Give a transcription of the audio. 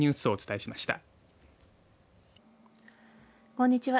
こんにちは。